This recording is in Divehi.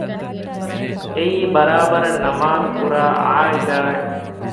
އެއީ ބަރާބަރަށް ނަމާދުކުރާ ޢާއިލާއެއް